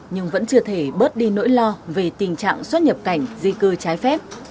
nhưng vẫn chưa thể bớt đi nỗi lo về tình trạng xuất nhập cảnh di cư trái phép